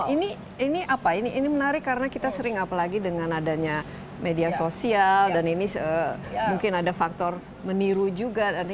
ini apa ini menarik karena kita sering apalagi dengan adanya media sosial dan ini mungkin ada faktor meniru juga